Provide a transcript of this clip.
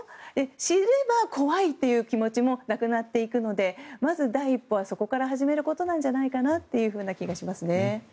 知れば、怖いという気持ちもなくなっていくのでまず、第一歩はそこから始めることだという気がしますね。